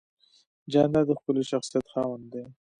جانداد د ښکلي شخصیت خاوند دی.